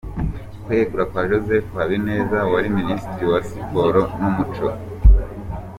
Kwegura kwa Joseph Habineza wari Munisitiri wa Siporo n’Umuco.